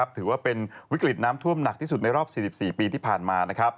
ถือว่าเป็นวิกฤตน้ำท่วมหนักที่สุดในรอบ๔๔ปีที่ผ่านมา